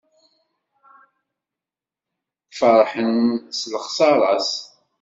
Ferḥen s lexsara-s.